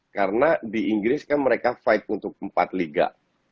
karena di inggris kan mereka fight untuk empat liga